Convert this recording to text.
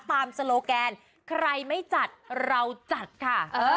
โซโลแกนใครไม่จัดเราจัดค่ะ